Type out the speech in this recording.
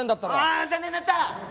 うん残念だった！